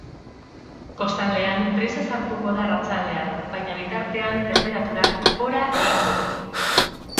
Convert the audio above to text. Kostaldean brisa sartuko da arratsaldean, baina bitartean tenperaturak gora egingo du.